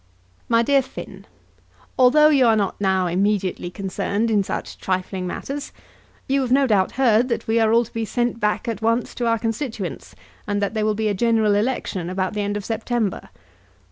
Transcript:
MY DEAR FINN, Although you are not now immediately concerned in such trifling matters you have no doubt heard that we are all to be sent back at once to our constituents, and that there will be a general election about the end of September.